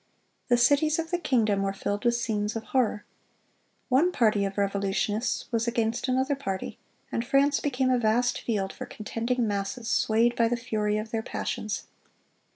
The cities of the kingdom were filled with scenes of horror. One party of revolutionists was against another party, and France became a vast field for contending masses, swayed by the fury of their passions.